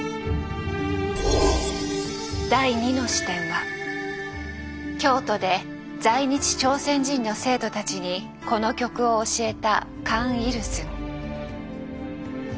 第２の視点は京都で在日朝鮮人の生徒たちにこの曲を教えたカン・イルスン。